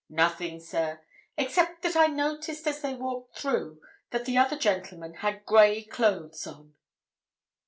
"Nothing, sir, except that I noticed as they walked through, that the other gentleman had grey clothes on."